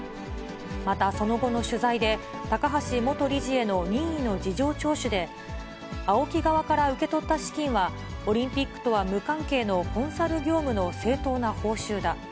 また、その後の取材で、高橋元理事への任意の事情聴取で、ＡＯＫＩ側から受け取った資金はオリンピックとは無関係のコンサル業務の正当な報酬だ。